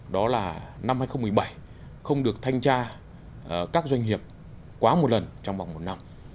đó là năm hai nghìn một mươi bảy không được thanh tra các doanh nghiệp quá một lần trong vòng một năm